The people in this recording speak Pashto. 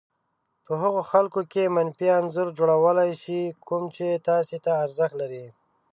په هغو خلکو کې منفي انځور جوړولای شي کوم چې تاسې ته ارزښت لري.